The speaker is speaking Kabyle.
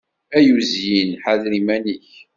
Ay uzyin, ḥader iman-ik!